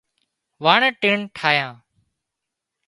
وڻ ٽڻ ٺاهيان